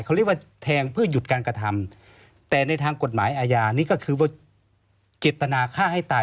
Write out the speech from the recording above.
เขาเรียกว่าแทงเพื่อหยุดการกระทำแต่ในทางกฎหมายอาญานี่ก็คือว่าเจตนาฆ่าให้ตาย